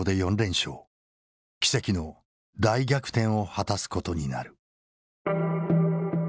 奇跡の大逆転を果たすことになる。